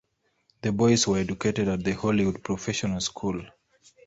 The boys were educated at the Hollywood Professional School.